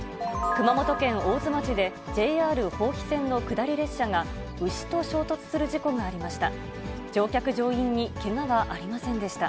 熊本県大津町で、ＪＲ豊肥線の下り列車が牛と衝突する事故がありました。